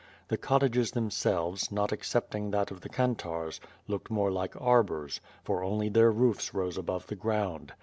The cottages themselves, not excepting that of the kantarz, looked more like arbors, for only their roofs rose above the ground.